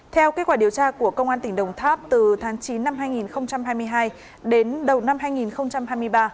theo kết quả điều tra của công an tỉnh đồng tháp từ tháng chín năm hai nghìn hai mươi hai đến đầu năm hai nghìn hai mươi ba